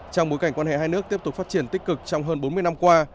trong bối cảnh quan hệ hai nước tiếp tục phát triển tích cực trong hơn bốn mươi năm qua